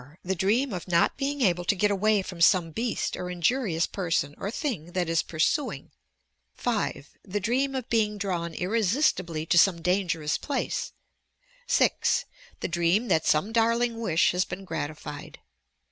The dream of not being able to get away from some beast or injurious person or thing that is pursuing, 5. The dream of being drawn irresistibly to some dangerous place, 6. The dream that some darling wish has been grati fied, 7.